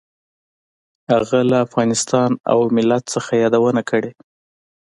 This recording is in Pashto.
هغه له افغانستان او ملت څخه یادونه کړې.